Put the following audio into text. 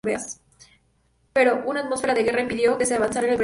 Pero una atmósfera de guerra impidió que se avanzara en el proyecto.